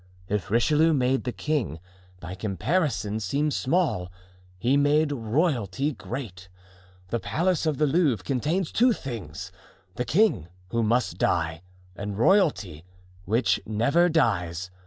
If Richelieu made the king, by comparison, seem small, he made royalty great. The Palace of the Louvre contains two things—the king, who must die, and royalty, which never dies.